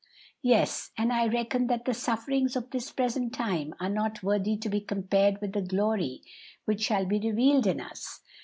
'" "Yes; and 'I reckon that the sufferings of this present time are not worthy to be compared with the glory which shall be revealed in us.'